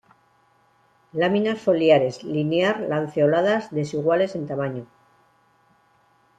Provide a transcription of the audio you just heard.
Láminas foliares linear-lanceoladas, desiguales en tamaño.